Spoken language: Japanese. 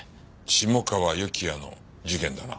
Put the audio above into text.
下川由紀哉の事件だな？